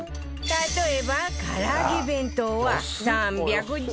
例えば唐揚げ弁当は３１２円